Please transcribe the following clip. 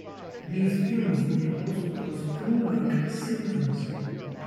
These fumes may also cause flu-like symptoms.